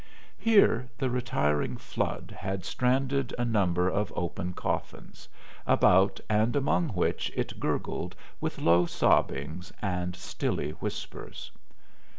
Here the retiring flood had stranded a number of open coffins, about and among which it gurgled with low sobbings and stilly whispers.